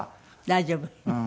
大丈夫。